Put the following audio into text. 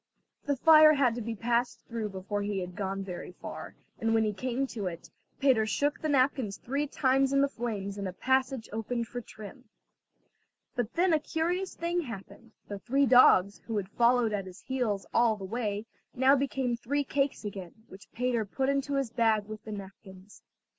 The fire had to be passed through before he had gone very far, and when he came to it, Peter shook the napkins three times in the flames and a passage opened for trim. But then a curious thing happened; the three dogs, who had followed at his heels all the way, now became three cakes again, which Peter put into his bag with the napkins.